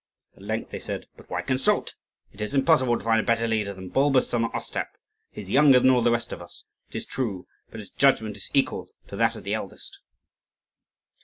At length they said, "But why consult? It is impossible to find a better leader than Bulba's son, Ostap; he is younger than all the rest of us, it is true; but his judgment is equal to that of the eldest."